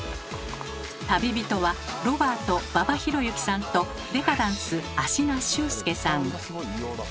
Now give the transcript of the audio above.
旅人はロバート馬場裕之さんとデカダンス芦名秀介さん。